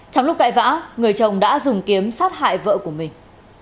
trong lúc cãi vã người chồng đã dùng kiếm sát hại vợ của mình